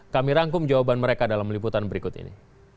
kami rangkum jawaban mereka dalam liputan berikut ini